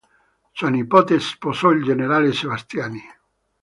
Sua nipote sposò il generale Sebastiani.